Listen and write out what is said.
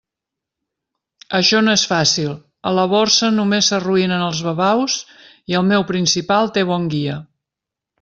Això no és fàcil; a la Borsa només s'arruïnen els babaus, i el meu principal té bon guia.